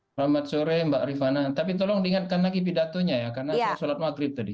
selamat sore mbak rifana tapi tolong diingatkan lagi pidatonya ya karena sholat maghrib tadi